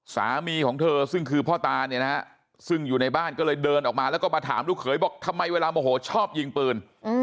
สามีของเธอซึ่งคือพ่อตาเนี่ยนะฮะซึ่งอยู่ในบ้านก็เลยเดินออกมาแล้วก็มาถามลูกเขยบอกทำไมเวลาโมโหชอบยิงปืน